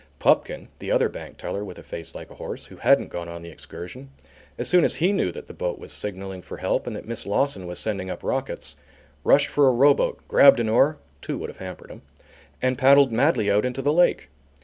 Pupkin, the other bank teller, with a face like a horse, who hadn't gone on the excursion, as soon as he knew that the boat was signalling for help and that Miss Lawson was sending up rockets, rushed for a row boat, grabbed an oar (two would have hampered him), and paddled madly out into the lake.